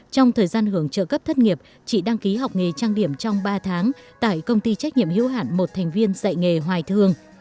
trong thời gian hưởng trợ cấp thất nghiệp chị đăng ký học nghề trang điểm trong ba tháng tại công ty trách nhiệm hữu hạn một thành viên dạy nghề hoài thương